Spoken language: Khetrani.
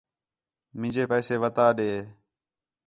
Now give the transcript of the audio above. مینجے پیسے وتا ݙے